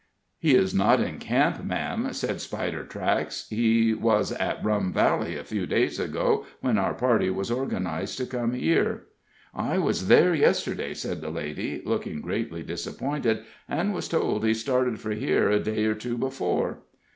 "He is not in camp, ma'am," said Spidertracks. "He was at Rum Valley a few days ago, when our party was organized to come here." "I was there yesterday," said the lady, looking greatly disappointed, "and was told he started for here a day or two before."